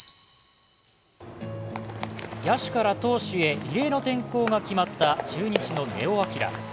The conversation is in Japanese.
野手から投手へ異例の転向が決まった中日の根尾昂。